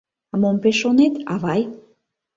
— Мом пеш шонет, авай?